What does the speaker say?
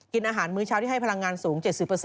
กินอาหารมื้อเช้าที่ให้พลังงานสูง๗๐